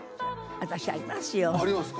私ありますよありますか？